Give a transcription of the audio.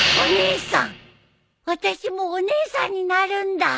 私もお姉さんになるんだ